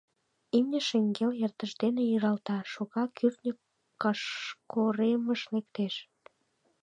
Имне шеҥгел эрдыж дене иралта, шога кӱртньӧ кашкоремыш лектеш.